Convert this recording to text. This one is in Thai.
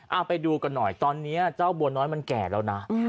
เอาไปดูกันหน่อยตอนนี้เจ้าบัวน้อยมันแก่แล้วนะ